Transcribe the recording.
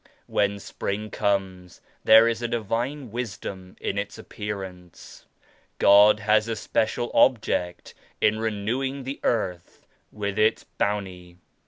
When Spring comes there is a Divine Wisdom in its appear ance. God has a special object in renewing the earth with its bounty.